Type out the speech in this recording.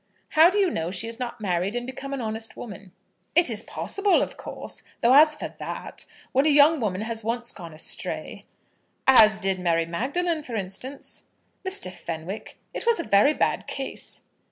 "How do you know she has not married, and become an honest woman?" "It is possible, of course. Though as for that, when a young woman has once gone astray " "As did Mary Magdalene, for instance!" "Mr. Fenwick, it was a very bad case."